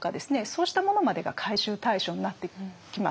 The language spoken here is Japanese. そうしたものまでが回収対象になってきます。